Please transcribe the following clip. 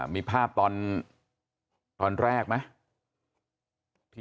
มีภาพตอนแรกไหม